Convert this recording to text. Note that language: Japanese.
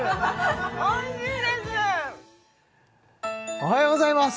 おはようございます！